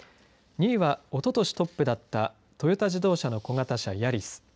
２位は、おととしトップだったトヨダ自動車の小型車ヤリス。